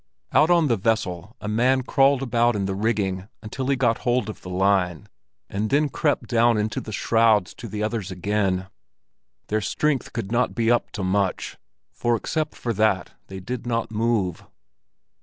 Out on the vessel a man crawled about in the rigging until he got hold of the line, and then crept down into the shrouds to the others again. Their strength could not be up to much, for except for that they did not move.